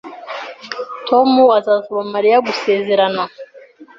Tom azasaba Mariya gusezerana